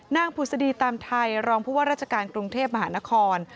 ผุศดีตามไทยรองผู้ว่าราชการกรุงเทพมหานคร